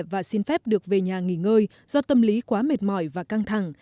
và xin phép được về nhà nghỉ ngơi do tâm lý quá mệt mỏi và căng thẳng